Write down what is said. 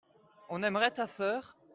on aimerait ta sœur.